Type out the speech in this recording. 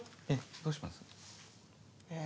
どうします？え？